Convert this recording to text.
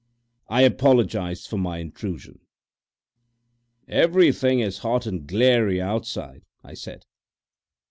I apologised for my intrusion. "Everything is hot and glary outside," I said.